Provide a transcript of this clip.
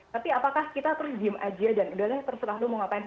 tapi apakah kita terus diem aja dan udah deh terserah lu mau ngapain